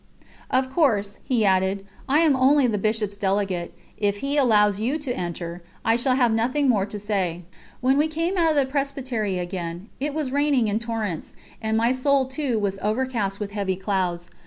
"Of course," he added, "I am only the Bishop's delegate; if he allows you to enter, I shall have nothing more to say." When we came out of the Presbytery again, it was raining in torrents, and my soul, too, was overcast with heavy clouds.